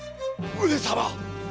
上様！